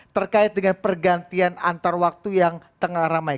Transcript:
terkait dengan pergantian antar waktu yang tengah ramai